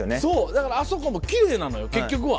だからあそこもキレイなのよ結局は。